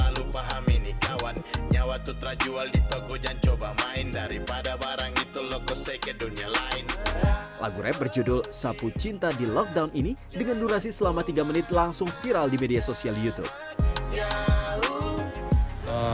lagu rab berjudul sapu cinta di lockdown ini dengan durasi selama tiga menit langsung viral di media sosial youtube